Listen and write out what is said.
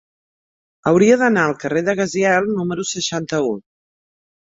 Hauria d'anar al carrer de Gaziel número seixanta-u.